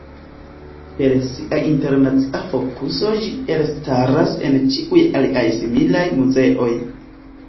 Per sia internacia fokuso ĝi elstaras el ĉiuj aliaj similaj muzeoj.